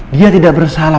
dia tidak bersalah